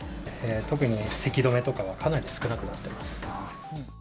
特にせき止めとかは、かなり少なくなってます。